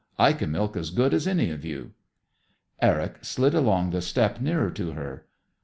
I can milk as good as any of you." Eric slid along the step nearer to her.